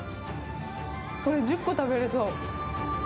これ１０個食べれそう。